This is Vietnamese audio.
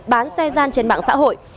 bán xe gian trên mạng xã hội